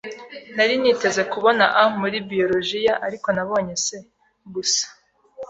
Nari niteze kubona A muri biologiya, ariko nabonye C. gusa